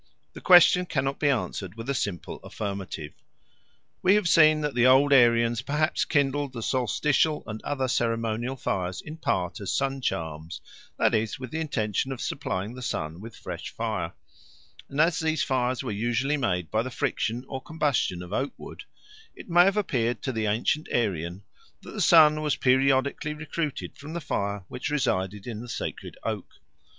The question cannot be answered with a simple affirmative. We have seen that the old Aryans perhaps kindled the solstitial and other ceremonial fires in part as sun charms, that is, with the intention of supplying the sun with fresh fire; and as these fires were usually made by the friction or combustion of oak wood, it may have appeared to the ancient Aryan that the sun was periodically recruited from the fire which resided in the sacred oak.